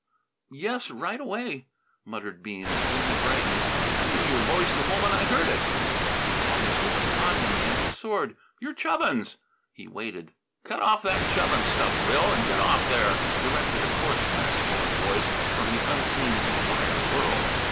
"Yes, right away," muttered Bean. Then he brightened. "I knew your voice the moment I heard it." The madness was upon him and he soared. "You're Chubbins!" He waited. "Cut out the Chubbins stuff, Bill, and get off there!" directed a coarse masculine voice from the unseen wire world.